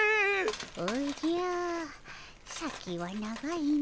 おじゃ先は長いの。